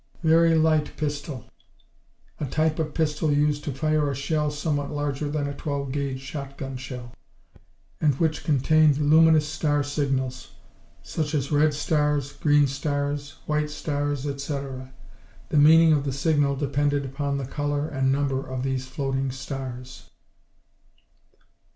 Very light pistol A type of pistol used to fire a shell somewhat larger than a 12 gauge shotgun shell, and which contained luminous star signals, such as red stars, green stars, white stars, etc. The meaning of the signal depended upon the color and number of these floating stars.